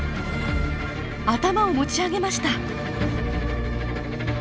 頭を持ち上げました。